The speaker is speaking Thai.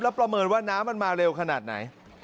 ประเมินว่าน้ำมันมาเร็วขนาดไหน